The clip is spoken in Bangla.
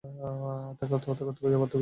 তাকে আত্মহত্যা করতে কেউ বাধ্য বরেছে।